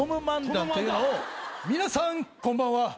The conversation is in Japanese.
皆さんこんばんは。